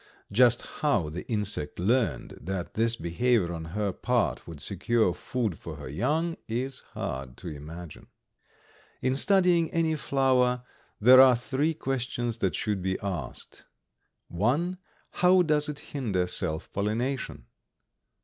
Just how the insect learned that this behavior on her part would secure food for her young is hard to imagine. In studying any flower there are three questions that should be asked: (1) How does it hinder self pollination?